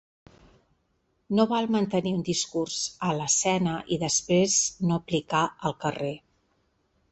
No val mantenir un discurs en l’escena i després no aplicar-al carrer.